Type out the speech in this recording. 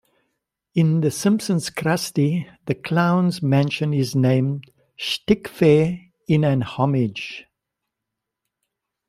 In The Simpsons Krusty the Klown's mansion is named "Schtickfair" in an homage.